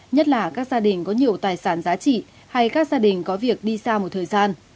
nhất là các gia đình có nhiều tài sản giá trị hay các gia đình có việc đi xa một thời gian